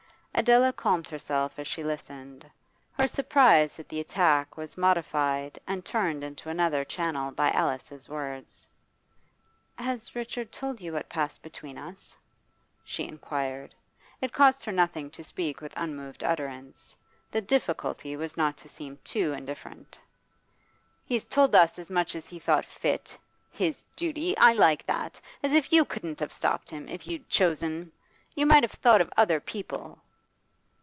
Adela calmed herself as she listened. Her surprise at the attack was modified and turned into another channel by Alice's words. 'Has Richard told you what passed between us?' she inquired. It cost her nothing to speak with unmoved utterance; the difficulty was not to seem too indifferent. 'He's told us as much as he thought fit. His duty! I like that! As if you couldn't have stopped him, if you'd chosen! You might have thought of other people.